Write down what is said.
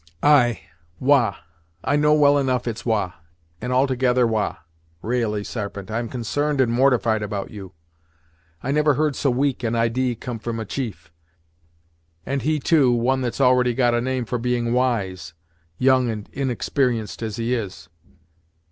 "Ay Wah I know well enough it's Wah, and altogether Wah Ra'ally, Sarpent, I'm consarned and mortified about you! I never heard so weak an idee come from a chief, and he, too, one that's already got a name for being wise, young and inexper'enced as he is.